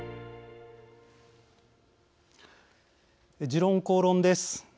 「時論公論」です。